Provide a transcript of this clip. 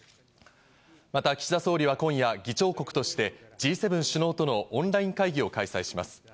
また岸田総理は今夜、議長国としてＧ７首脳とのオンライン会議を開催します。